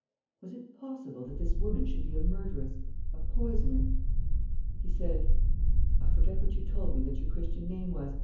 Was it possible that this woman should be a murderess, a poisoner? He said: "I forget what you told me that your Christian name was.